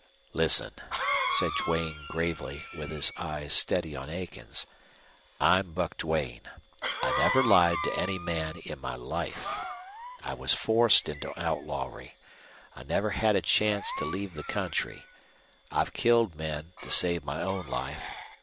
"Listen," said Duane, gravely, with his eyes steady on Aiken's, "I'm Buck Duane. I never lied to any man in my life. I was forced into outlawry. I've never had a chance to leave the country. I've killed men to save my own life.